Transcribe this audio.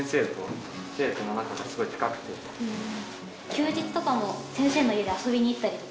休日とかも先生の家にあそびに行ったりとか。